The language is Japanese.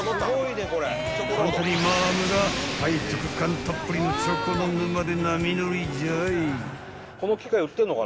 ［カントリーマアムが背徳感たっぷりのチョコの沼で波乗りじゃい］